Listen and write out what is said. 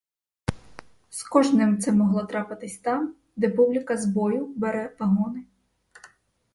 З кожним це могло трапитись там, де публіка з бою бере вагони.